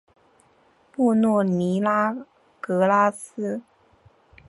布洛尼拉格拉斯。